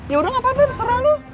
yaudah gapapa terserah lo